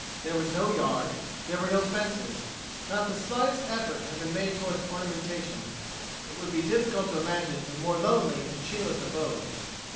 There was no yard; there were no fences. Not the slightest effort had been made toward ornamentation. It would be difficult to imagine a more lonely and cheerless abode.